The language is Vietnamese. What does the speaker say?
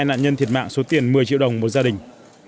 hai nạn nhân thiệt mạng số tiền một mươi triệu đồng một gia đình